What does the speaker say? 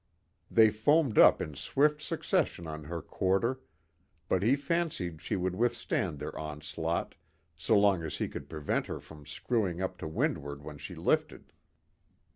They foamed up in swift succession on her quarter, but he fancied she would withstand their onslaught, so long as he could prevent her from screwing up to windward when she lifted.